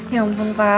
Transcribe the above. ya ampun pak